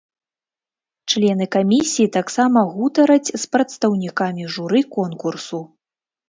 Члены камісіі таксама гутараць з прадстаўнікамі журы конкурсу.